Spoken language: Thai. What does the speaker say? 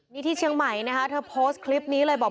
นี่ที่เชียงใหม่นะคะเธอโพสต์คลิปนี้เลยบอก